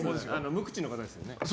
無口の方ですよね。